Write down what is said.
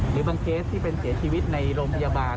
หรือบางเคสที่เป็นเสียชีวิตในโรงพยาบาล